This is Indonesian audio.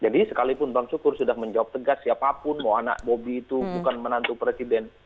jadi sekalipun tuan syukur sudah menjawab tegas siapapun mau anak bobby itu bukan menantu presiden